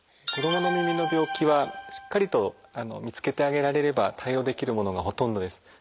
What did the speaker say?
子どもの耳の病気はしっかりと見つけてあげられれば対応できるものがほとんどです。